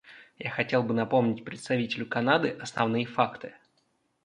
Я хотел бы напомнить представителю Канады основные факты.